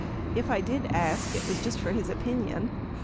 If I did ask, it was just for his opinion.